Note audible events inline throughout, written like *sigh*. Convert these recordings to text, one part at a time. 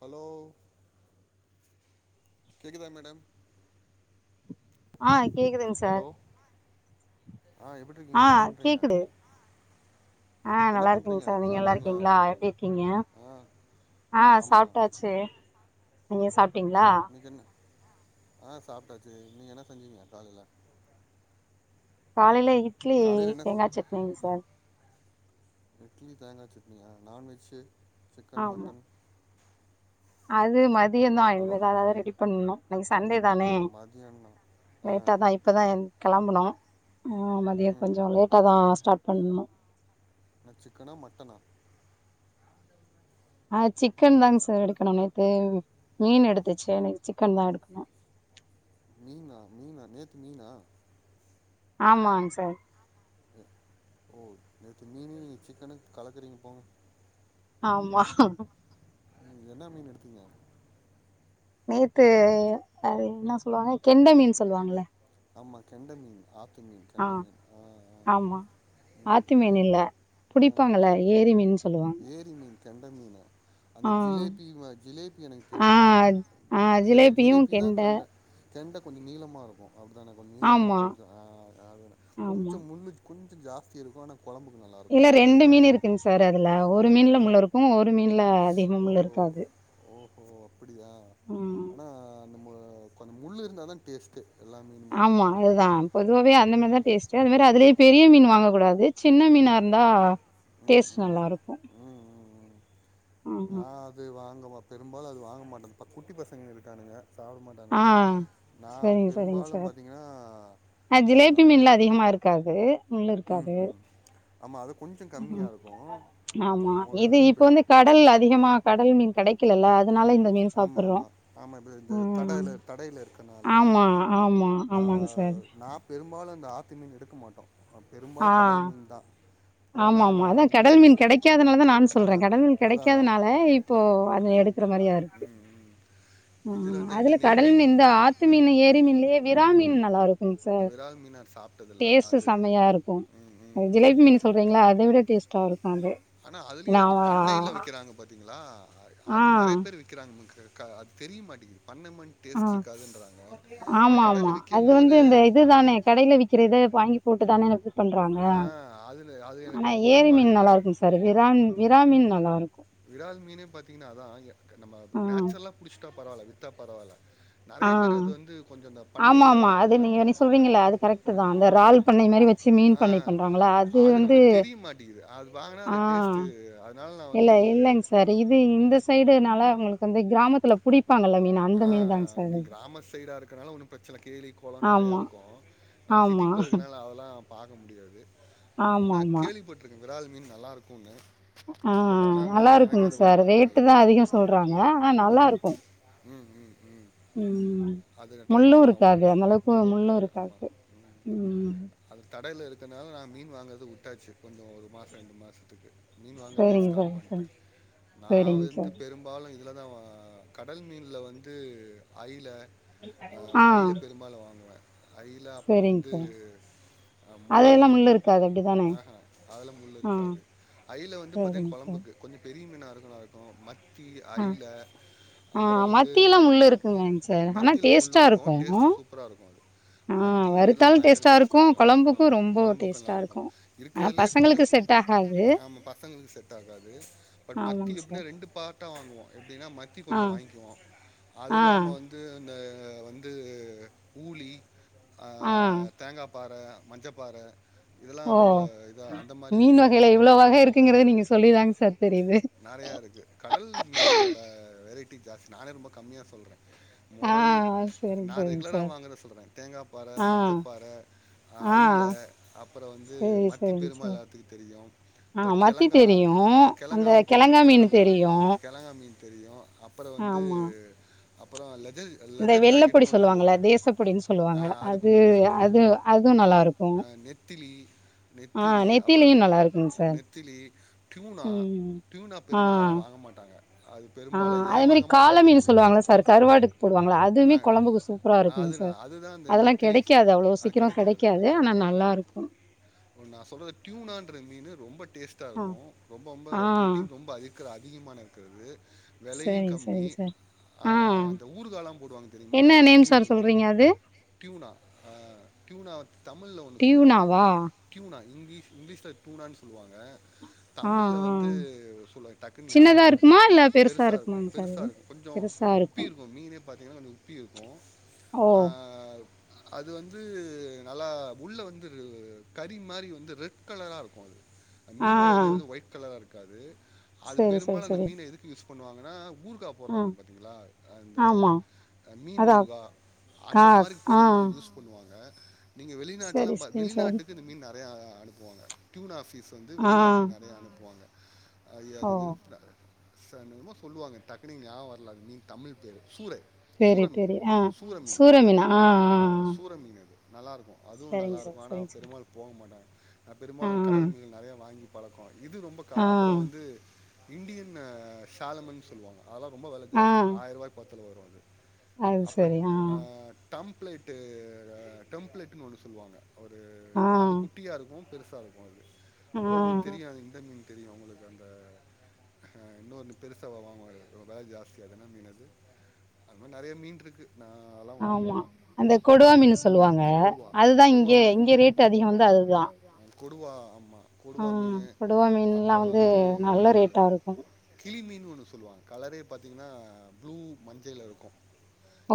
Hello கேக்குதா madam ஆ கேக்குதுங் ஹலோ சார் ஆ எப்டி ஆ கேக்குது ஆ என்ன நல்லா இருக்கீங்க பண்றீங்க சார் நீங்க நல்லா சாப்ட்டீங்களா இருக்கீங்ளா எப்டி இருக்கீங்க ஆ ஆ ஆமா சாப்டாச்சி நீங்க சாப்ட்டீங்ளா இன்னிக் என்ன ஆ சாப்டாச்சக நீங்க என்ன செஞ்சீங்க காலையில காலையில இட்லி காலையில என்ன தேங்கா சட்னிங்க சார் இட்லி தேங்கா சட்னியா நான்வெஜி சிக்கன் ஆமா மட்டன் அது மதியம் தா இனிமே ஹலோ தா எதாவது ரெடி பண்ணணு இன்னைக்கி சண்டே தானே மதியானமா ஆ லேட்ட தா இப் இப்போ தா எந் கெளம்புனோ ம் மதியோ ம் கொஞ்சோ லேட்டாக தா ஸ்டார்ட் பண்ணணு என்ன சிக்கன மட்டனா அ சிக்கன் தாங் சார் எடுக்கணு நேத்து மீன் எடுத்துச்சி இன்னைக்கி சிக்கன் தா எடுக்கணு மீனா மீனா நேத்து மீனா ஆமாங் சார் ஓ நேத்து மீனு இன்னைக்கு சிக்கனு கலக்குறிங்க போங்கோ ஆமா ம் என்னா மீனு எடுத்தீங்க நேத்து அது என்ன சொல்லுவாங்க கெண்ட மீன் சொல்லுவாங்கல்ல ஆமா கெண்ட மீன் ஆத்து கெண்ட மீன் ஆ ஆ ஆமா ம் ஆத்து மீன் இல்ல ஆ புடிப்பாங்க இல்ல ஏரி மீன் சொல்லுவாங்க ஏரி மீன் கெண்ட மீனா அந்த ஆ. ஜிலேபின் வா ஜிலேபி எனக்கு ஆ, தெரியு ஆ ஜிலி ஜிலேபியும் ஜிலேபி தா கெண்ட கெண்ட கொஞ்சோ நீளமா இருக்கு அப்டி தானே கொஞ்சோ நீளம ஆமா, கொஞ்சோ ஆ அதுதா ஆமா. கொஞ்சோ முள்ளு கொஞ்சோம ஜாஸ்தி இருக்கு ஆனா கோழம்புக்கு நல்லா இருக்கு கரெக்ட்டா இருக்குங் சார் அதுல ஒரு மீன்ல முள்ளு இருக்கு ஒரு மீன்ல அதிகம முள் ஓஹோ இருக்காது ஓஹோ அப்புடியா ம். ஆனா அந்த நம்மக்கு முள்ளு இருந்தா தா டேஸ்ட்டு எல்லா மீனு ஆமா அதுதா பொதுவவே அந்த மீனுதா டேஸ்ட்டு அது மாரி அதுலயே பெரிய மீனு வாங்க கூடாது சின்ன மீனா ம் இருந்தா ம் டேஸ்ட் ம் நல்லா இருக்கு நா அது வாங்க பெரும்பாலு அது வாங்க மாட்டே குட்டி பசங்க இருக்கானுங்க சாப்ட ஆ. மாட்டானுங்க நா சரிங்க, சரிங்க பெரும்பாலு சார். பாத்தீங்கன்னா அ ஜிலேபி மீன்ல அதிகமா இருக்காது முள் இருக்காது ஆமா அது கொஞ்சோ ம். கம்மியா இருக்கு ஆமா. நமக்கு இது அது இப்ப வந்து கடல் அதிகமா கடல் மீன் கெடைக்கலல்ல அதுனால இந்த மீன் சாப்பிடுறோம். ஆமாமா ஆமா இப்ப இந்த த ம். டைல தடைல இருக்கனால ஆமா, ஆமா, நா ஆமாங்க சார். நா பெரும்பாலு அந்த ஆத்து மீன் எடுக்க மாட்டோ பெரும்பாலு ஆ. கடல் மீன் தா ஆமாமா அதா கடல் மீன் கெடைக்காதனாலதா நானு சொல்றே அதான் கடல் மீன் அதான் அதான் கெடைக்காதனால இப் போ ம் அது ம் எடுக்குற மாரியா இருக்கு ம் ம் இதில் ம் வந்து இந்த அதுல நெய் கடல் மீன் இந்த ஆத்து ம் மீனு ஏரி மீன்லயே விறா மீன் நல்லாருக் கும்‌ சார் விரால் மீன் நான் சாப்பிட்டதில்ல டேஸ்ட்டு அது சம்மயா இருக்கு ம் அ‌ ம் ம் ஜிலேபி மீன் சொல்றீங்ள அத விட டேஸ்ட்டா இருக்கு அது ஆனா அதுலயே இந்த நான் பண்ணைல விக்கிறாங்க பாத்தீங்களா ஆ. அது நெறைய பேர் வி க்கிறாங்க *unintelligible* க அது தெரிய மாட்டெக்கிது பண்ணமன் ஆ. டேஸ்ட்ருக்காதுன்றாங்க இந்த கடைல விக்கும்மோது கடைல விக்கிறது வாங்கி போட்டு தானே எனக்கு பண்றாங்க ஆ அதுல அது எனக்கு ஆனா அது ஏரி உடன்பாடு மீன் இல்ல. நல்லாருக்கு சார் விறாம் விறாமின் நல்லாருக் விறால் மீனே பாத்தீங்கனா அதா நம்ம ஆ நேச்சுரலா புடிச்சுட்டா பரவால்ல வித்தா பரவால்ல ஆ நெறைய பேர் அது வந்து கொஞ்ச இந்த பண்ணைல அ சொல்வீங்கள்ல அது கரெக்ட்டு தா அந்த ரால் பண்ணை மாரி வச் சு மீன் ஆ பண்ணை பண்றாங்களா அது வந்து ஆ து அதுனால் நா வந் ல இல்லெங் சார் இது இந்த சைடுனால உங்களுக்கு வந்து கிராமத்துல புடிப்பாங்கல்ல மீனா அ அ நீ கிராமத் சைடா இருக்கறால ஒன்னு பிரச்சல்ல கேலி கொளொ நெறய ஆமா இருக்கு நா ஆமா சிட்டிக்குள்ள இருக்கனால அதெலா பாக்க முடியாது ஆமா ஆனா ஆமா கேள்விப்பட்ருக்கே விறால் மீன் நல்லாருக்குன்னு அ அ பட் ஆனா ஆமாமா. நான் எனக்கு நல்லாருக்குங் அது நல்லாருக்கும் சார் வாய்ப்பு விரால் ரேட்டு தா கெடைக்கல. அதிகொ சொல்றாங்க ஆனா நல்லாருக்கு ம் ம் ம் ம் அது ட்ரை முள்ளு பண்ணலாம் ஒரு இருக்காது தடவ. அந்தளவ்க்கு முள்ளு ஆமா. இருக்காது ம் அது தடைல இருக்கனால நா மீன் வாங்குறது வுட்டாச்சு கொஞ்சொ ஒரு மாச ரெண்டு மாசத்துக்கு மீன் வாங்குறதே சரிங்க ஸ்டாப் சார் சரி பண்ட்டே நா சரிங்க சார் வெந்து பெரும் பாலு இதுலதா வா கடல் மீன்ல வந்து அயில ஆ அயில பெரும்பாலு வாங்குவே அய்ல அப்பறொ சரிங்க வந்து சார் அ மொறல் அதெல்லா முள்ளு இருக்காது அப்டிதானே ஆ ஹ அதுல முள் ஆ இருக்காது அயில வந்து பாத்தீங் சரிங்க சார் கொழம்புக்கு கொஞ்ச பெரிய மீனா இருக்க நல்லாருக்கு மத்தி ஆ அய்ல அப்பறொ வந்து சேரிங் சார் ஆனா டேஸ்ட்டா இருக்கு ப்பரா இருக்கு அது ஆ மத்தீயிலா வறுத்தாலு பயங்கர டேஸ்ட்டா இருக்கு கொழம்புக்கு ஆமா ரொம்ப கொழம்புக்கு டேஸ்ட்டா நல்லாருக்கு இருக்கு ஆனா இருக்கதுலே கொஞ்சொ பசங்களுக்கு செட் ஆகாது ஆமா பசங்களுக்கு செட் ஆகாது பட் மத்தி ஆமாங்க எப்டினா சார் ரெண்டு பார்ட்டா வாங்குவோ எப்டினா மத் தி ஆ கொஞ்ச வாங்க்குவோ ஆ அதில்லாம வந்து இந்த வந்து ஊளி ஆ தேங்காப்பாற மஞ்சப்பாற இதெல்லா ஓ ரொம்ப இதா அந்த மாரி இதுல்லா போவ திங்கிறது நீங்க சொல்லி தாங் சார் தெரியுது நெறைய இருக்கு கடல் மீன்களோட வெரைட்டி ஜாஸ்தி நானே ரொம்ப கம்மியா சொல்றே ஆ மொறல் சரிங்க நா சரிங்க ரெகுலரா சார் வாங்குத சொல்றே தேங்காப்பாற ஆ மஞ்சப்பாற ஆ அய்ல அப்பறொ வந்து சரி மத்தி சரிங்க பெரும்பால் சார் எல்லாத்துக்கு தெரியு ஆ இப்பக் மத்தி கெளங்கா தெரியு அ அந்த கெளங்காவு தெரியு கெழங்கா மீன் கெளங்கா தெரியு கெழங்கா மீன் தெரியு அப்புற வந்து ஆமா அப்புற லெதில் ஆ இந்த லெஜர் வெள்ளப்பொடி ஜாக்கெட்டுன்னு ஒண்ணு சொல்லுவாங்கல்ல சொல்லுவாங்க தேசப்பொடின்னு ஆ சொல்லுவாங்க அது குட்டி குட்டி சொல்லுவாங்க அது அதுவு நல்லா இருக்கு ஆ நெத்திலி ஆ நெத்திலி அப்புற நெத்திலியு நல்லா இருக்குங்க சார் நெத்திலி டியூனா ம் டியூனா ஆ பெருமால யாரு வாங்க மாட்டாங்க அது ஆ பெரும்பாலும் அதே ஏன் மாரி வாங்க கால மாட்டாங்கன்னு மீனு தெரியும் சொல்லுவாங்கள்ல சார் கருவாடுக்கு போடுவாங்கள்ல அத் துமே கொழம்புக்கு சூப்பரா இருக்குங் அது சார் நான் அதுதான் அந்த அதெல்லா நெத்திலி கெடைக்காது சொல்லுவாங்க அவ்வளோ அது சீக்கிரம் கிடைக்காது கெடைக்காது ஆனா நல்லாருக் ஓ நா சொல்றது டியூனான்ற மீனு ரொம்ப டேஸ்ட்டா ஆ இருக்கு ரொம்ப ரொம்ப ஆ புரோட்டீன் ரொம்ப அதி க்கு அதிகமான இருக்கறது வெலையு சரிங்க கம்மி சரிங்க சார் ஆ அந்த ஊறுகாலா போடுவாங்க தெரியுமா என்ன நேம் மீன் சார் ஊறுகா சொல்றீங்க அது டியூனா ஆ டியூனா தமிழ்ல ஒண்ணு சொல்லுவாங்க டியூனாவா டியூனா இங்கிலீஷ் இங்கிலீஷ்ல டியூனான் சொல்லுவாங்க ஆ தமிழ்ல ஆ வந்து சொல்ல டக்குன்னு ஞாபவ சின்னதா வர இருக்குமா மாட்டேங்குது இல்ல பெருசா பெருச இருக்குமாங்க சார் இருக்குமபெருசா அது இருக்கு கொஞ்ச பெருசா உப் இருக்கு பிருக்கும் மீனே பாத்தீங்கன்னா அது உப்பி இருக்கு ஓ ஆ அது வந்து நல்லா உள்ள வந்துரு கறி மாரி வந்து ரெட் கலரா இருக்கு அந்த ஆ மீனோட இதே வந்து ஒயிட் கலரா இருக்காது அது சரி சரி பெரும்பாலு அந்த சரி மீன எதுக்கு யூஸ் பண்ணுவாங்கன்னா ஊறுகா ஆ போட்றாங்க பாத்தீங்களா அந்த ஆமா மீன் அதா ஊறுகா கா அந்த மாரி ஆ பெருமாலு யூஸ் பண்ணுவாங்க நீங்க வெளிநாட்லா சரி சரிங்க சார் வெளிநாட்டுக்கு இந்த மீன் நெறைய அனுப்புவாங்க டியூன் ஆஃபிஸ் வந்து ஆ வெளிநாட்டுக்கு நெறைய அனுப்புவாங்க அது அது ஓ வெறும்ப்ல சார் என்னமோ சொல்லுவாங்க டக்குனு ஞாவக வர்ல அது மீன் தமிழ் பேரு சூறை சூர தெரி மீன் தெரி ஆ சூர மீன் ஆ சூர மீனு நல்லாருக்கு அதுவு சரிங்க நல்லாருக்கு சார் ஆனா சரிங்க சார் பெருமாலு போவ மாட்டாங்க நா ஆ பெரும்பாலு கடல் மீன் வந்து நெறைய வாங்கி பழக்கோ இது ரொம்ப கா ஆ அப்புற வந்து இண்டியன் ஆ ஷாலமீன் சொல்லுவாங்க அதெல்லா ரொம்ப வெல ஆ ஆ ஜாஸ்தி ஆயிரூவாய்க்கு பத்தல வரு அது அது அப்புற சரி ஆ டம்ப்ளேட்டு டெம்ப்ளேட்டுன்னு ஒன்னு சொல்லுவாங்க ஒரு ஆ இது அது குட்டியா இருக்கும் பெருசா இருக்கு அது ஆ அப்புற உங்களுக்கு தெரியு அது இந்த மீன் தெரியு உங்களுக்கு அந்த ஆ இன்னொன்னு பெருசா வா வாங்குவாங்களே வெல ஜாஸ்தியா அது என்ன மீன் அது அது மாரி நெறைய மீன் இருக்கு நா அதெல்லா வாங்குவோ அந்த கொடுவா மீன் சொல்லுவாங்க இங்க அதுதா இங்கே இங்க அதிகோ ரேட் வந்து அதிகம்ல அதுதா அது கொடுவா ஆமா ஆ கொடுவா மீனு கொடுவா மீன்லா அப்பற வந்து நல்ல ரேட்டா இருக்கு கிளி மீன் ஒன்னு சொல்லுவாங்க கலரே பாத்தீங்கன்னா ப்ளூ மஞ்சள்ல இருக்கு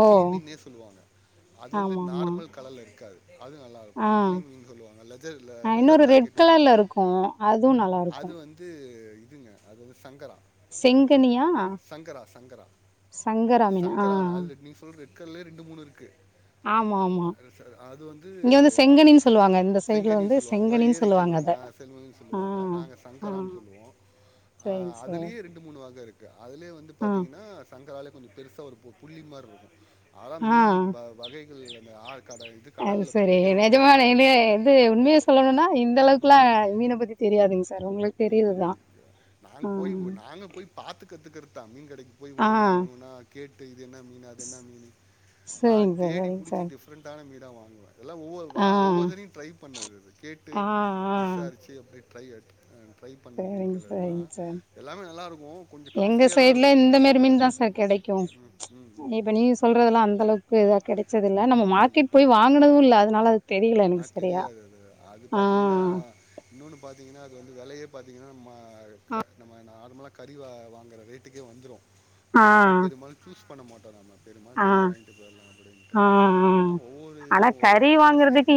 ஓ கிளி மீன்னே சொல்லுவாங்க அது வந்து ஆமா ஆமா நார்மல் கலர்ல இருக்காது அது நல்லாருக்கு ஆ கிளி மீன்னு சொல்லுவாங்க லெஜர்ல லெதர் இன்னொரு ரெட் ஜாக்கெட்டு கலர்ல இருக்கு அதுவு நல்லா இருக்கு அது வந் து இதுங்க அது வந்து சங்கரா செங்கனியா ஆ சங்கரா சங்கரா சங்கரா மீனா ஆ சங்கரா ஆல்ரெடி நீஸ் ஃபுல் ரெட் கலர்லே ரெண்டு மூணு இருக்கு ஆமா ஆமா அது சார் அது வந்து இங்க அப் செங்கனின்னு சொல்லுவாங்க இந்த சைடுல செங்கனின்னு வந்து சொல்லுவாங்க ஓ செங்கனின்னு சொல்லுவாங்க அத ஏரிக்கிட்ட ஆ செங்கனினு ஆ சொல்லுவாங்க நாங்க ஆ சங்கரானு சொல்லுவோ ஆ சரி சரி அதுலயே ரெண் ண்டு மூணு வக இருக்கு அதுலேயே வந்து ஆ பாத்தீங்கன்னா சங்கராலயே கொஞ்ச பெருசா ஒரு பு புள்ளி மாரி இருக்கு அதான் ஆ மீன் வ வகைகள் அந்த ஆ கட இது கடல்ல புடிக்கிறவங்களுக்குதா எது உண்மைய சொல்லணுன்னா இந்தளவுக்குலா மீன பத்தி தெரியாதுங்க சார் உங்களுக்கு ம், தெரியிதுதா ம். ம் பாத்து கத்துக்கறதா மீன் கடைக்கு போயி ஆ ஒன்னு ஒன்னா மு ஒன்னு ஒன்னா கேட்டு இது என்ன மீனு அது என்ன மீனு நா சரிங்க சார் தேடி சரிங்க புடிச்சி சார் டிஃப்ரண்டான மீனுதா வாங்குவன் இதெல்லா ஒவ்வொரு வா ஆ ஒவ்வொரு தடயும் ட்ரை பண்ணது அது கேட்டு ஆ ஆ விசாரிச்சி அப்டே ட்ரை ஆ ட்ரை பண்ண சரிங்க மீன்கள் அதுலா சரிங்க சார் எல்லாமே நல்லா இருக்கும் கொஞ்சம் காஸ்ட்லியா தா இருக்கும் எங்க சைடுல இந்த மேரி மீன் தா சார் ம் ம் ம் சொல்றதல்லா அந்த அளவுக்கு இதா கெடைச்சதில்ல நம்ம ம். மார்க்கெட் போய் வாங்கனதும் இல்ல அதனால அது தெரியல ஆ எனக்கு சரியா தெரியாது அதுல அது ஆ பாத்தீங்கன்னா இன்னொன்னு பாத்திங்கன்னா அது வந்து வெலையே பாத்திங்கன்னா மா க நம்ம நார்மலா கறி வா வாங்கற ரேட்டுக்கே வந்துரும் ஆ ஆனால ஆ பெரும்பாலும் சூஸ் பண்ண மாட்டோம் நம்ம பெருமால் கறியே வாங்கிட்டு போயிடலாம் அப்டின்ட்டு ஆ ஆ ஆனா ஒவ்வொரு இதுவும் ஒரு டேஸ்ட்டு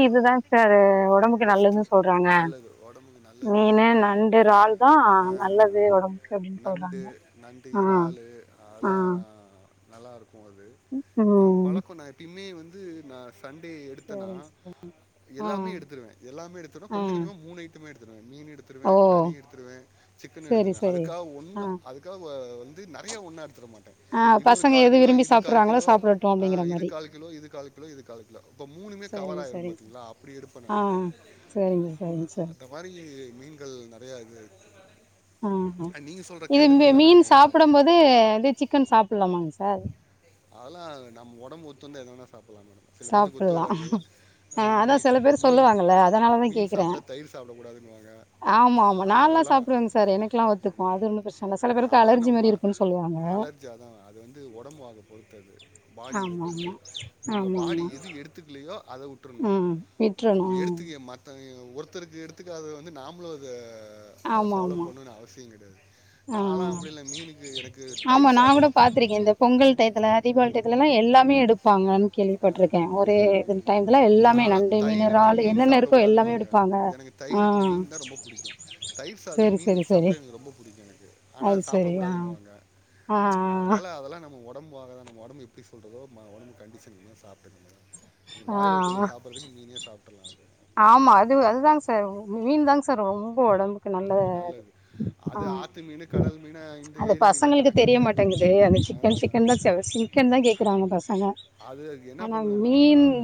சாரு ஒடம்புக்கு நல்லதுன் சொல்றாங்க நல்லது உடம்புக்கு நல்லது மீனு நண்டு இறாள் தா ஆனால் நல்லது ஒடம்பு நண்டு நண்டு இறாலு ஆ அதுலா நல்லா இருக்கும் அது நா ம் பழக்கம் நா எப்பயுமே வந்து நா சண்டே எடுத்தனா சரிங்க சார் ஆ எல்லாமே எடுத்துருவன் எல்லாமே எடுத்துருவ ஆ கொஞ்ச கொஞ்சமா மூனு ஐட்டமே எடுத்துருவன் மீனு எடுத் ஓ துருவன் கறி எடுத்துருவன் சிக்கன் சரி எடுத்துருவன் சரி அதுக்காக ஆ ஒன்ன அதுக்காக வ வந்து நறையா ஒன்னா எடுத்துற மாட்டன் ஆ இது ஒரு பசங்க கால் எது கிலோ விரும்பி இது கால் சாப்புட்றாங்களோ கிலோ சாப்புடட்டும் ஆ அப்டிங்கிற இது மாரி கால் கிலோ இது கால் கிலோ இது கால் கிலோ இப்ப மூணுமே கவர் சரிங்க ஆயிரும் சரிங்க சார் பாத்தீங்களா அப்டி எடுப்பன் ஆ நானு சரிங்க சரிங்க சார் அந்த மாரி மீன்கள் நறையா இது ஆ நீங்கள் சொல்கிற இது கெண்டை மீ மீன்லாம் மீன் நான் சாப்பட சாப்பிட்ருக்கேன் போது இது சிக்கன் சாப்பலாமாங் சார் அதுல்லா நம்ம ஒடம்பு ஒத்து வந்தா எத வேனா சாப்பலாம் மேடம் சில பேத்துக்கு ஒத்து சாப்புட்லா வராது ஆ அதா மீ சில பேர் மீனு சொல்லுவாங்கல்ல அதனாலதா மீன் கேக்குறே சாப்ட்டா தயிர் சாப்டக் கூடாதுன்னுவாங்க ஆமா ஆமா நாலா சாப்டுவங் சார் எனக்குலா ஒத்துக்கும் அது ஒன்னு பிரச் அதல்லா நம்ம அலர்ஜி அதா அது வந்து ஒடம்பு வாக பொறுத்து அது பாடி இத ஆமா பொறுத்து ஆமா உங்க ஆமா பாடி ஆமா எது எடுத்துக்கிலயோ அத உட் டுருனும் ம் விட்றணு நம்ம ம் எடுத்துக்கிய மத் தவங்க ஒருத்தருக்கு எடுத்துக்காத அத வந்து நாமளும் அத அத ஆமா ஃபாலோ ஆமா பண்ணணுன்னு அவசியம் கெடையாது ஆ ஆமா தயிர் நா கூட சாதத்துக்கு பாத்திருக்கேன் இந்த கார்த்திக் பொங்கல் டைத்துல தீபாவளி டை டைத்துல த்துலலா எல்லாமே எடுப்பாங்க ஆ, கேள்விப்பட்டுருக்கன் ஒரே இது டைம்ல எல்லாமே நான்லாம் நண்டு மீனு தயிருக்கு இறாளு மீன் என்னன்ன இருக்கோ சாப்பிடக்கூடாதுன்னு எல்லாமே வாங்க எடுப்பாங்க எனக்கு ஆ தயிருக்கு மீன் தான் ரொம்ப பிடிக்கும் தயிர் சாததுக்கு செரி மீன் செரி வச்சி செரி சாப்ட எனக்கு ரொம்ப புடிக்கும் எனக்கு ஆனா அது சாப்ட செரி ஆ கூடாதுன்னுவாங்க ஆ அதனால அதல்லா நம்ம ஒ டம்பு வாக்குதா நம்ம ஒடம்பு எப்டி சொல்றதோ நம்ம ஒடம்பு கண்டிஷன் என்னவோ சாப்ட்டுக்க வேண்டிதா அந்த ஆ பாய்லர் ஆ கோழி சாப் புறதுக்கு மீனயே சாப்ட்டறலா ஆமா அது அதுதாங்க சார் மீன் தாங்க சார் ரொம்ப ஒடம்புக்கு நல்லது அது ஆ ஆற்று மீன் கடல் மீன் இந்த அது ஏரி மீன்லாம் பசங்களுக்கு கணக்கு கிடையாது தெரியமாட்டேங்கிது அந்த ம், சிக்கன் அதான் சிக்கன் தா செவசி க்கன் தா கேக்கறாங்க பசங்க அது அதுக்கு என்ன பண்ணணுன்னா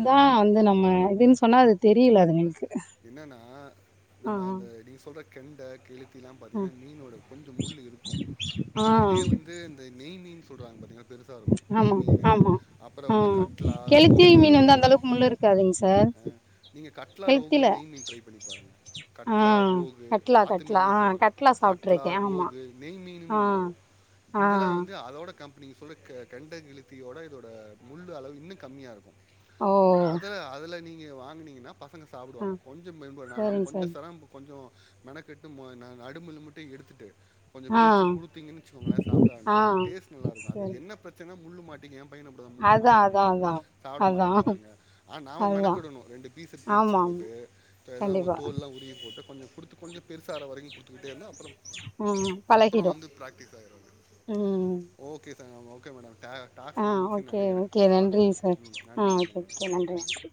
அதான் வந்து நம்ம இதுன்னு சொன்னா அது தெரியில அதுங்களுக்கு என்னன்னா ஆ நம்ம அந்த நீங்க சொல்ற கெண்ட கெலுத்திலா ஆ பாத்தீங்கன்னா மீனோட கொஞ்சோ முள்ளு இருக்கும் ஆ ஆ. இதே வந்து இந்த நெய்மூன் சொல்றாங்க பாத்தீங்களா பெருசா இருக்கு நெய் ஆமா மீன் ஆமா அப்பற ஆ வந்து கட்லா கெளுத்தி ரோகு மீன் வந்து அந்த அளவுக்கு முள்ளு இருக்காதுங்க சார் ஆ நீங்க கட்லா ரோகு கெளுத்தில நெய் மீன் ந ட்ரை பண்ணி பாருங்க ஆ கட்லா ரோகு கட்லா ஆத்து கட்லா மீன்னே ஆ சொல்றே கட்லா, சாப்ட்ருக்கே ஆமா ரோகு, நெய் மீன்னு ஆ ஒன்னு வரு ஆ இதுல வந்து அதோட கம் நீங்க சொல்ற கெண்ட கெழுத்திய விட இதோட முள்ளு அளவு இன்னு கம்மியா இருக்கு ஓ அத அதுல நீங்க வாங்குனீங்கன்னா பசங்க ஆ சாப்பிடுவாங்க கொஞ்சோ நம்ம சரிங்க கொஞ்சோ சார் சிரம கொஞ்சோ மெனக்கெட்டு நா நடுமுள்ள மட்டு எடுத்துட்டு கொஞ்ச ஆ பிரிச்சு குடுத்தீங்கன்னு வச்சுகோங்களே சாப்புட ஆ ஆரம்பிச்சுருவாங்க டேஸ்ட் நல்லா இருக்கு சரி அதுல என்ன பிரச்சனை முள்ளு மாட் ஏ பையனு அப்டிதா முள்ளு அதா அதா மாட்டிக்குணுவா அதா சாப்புட அதா அதுதா மாட்டேன்றானுங்க ஆனா நாம ஆமா மெனக்கெடணு ரெண்டு பீஸ் சேரி பிச்சு ஆமா போட்டு கண்டிப்பா தோல்லா உருவி போட்டு கொஞ்சோ குடுத்து கொஞ்சோ பெருசார வரைக்கு கொடுத்துக்குட்டே இருந்த அப்பற ம் அப்பற பழகிடு வந்து பிராக்டிஸ் ஆயிரும் ஆகிடவங்க ம் ஓகே சார் ஓகே மேடம் டா ஆ டாஸ்க்கு முடிஞ்சுச்சு ஓகே நினைக்கிறே ஓகே பாக்கலா மேடம் ம் ஆ நன்றி ஓகே நன்றிங்க மேடம் ஓகே நன்றி சார்